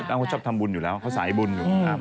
ต้องเขาชอบทำบุญอยู่แล้วเขาสายบุญอยู่